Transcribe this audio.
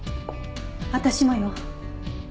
私もよ。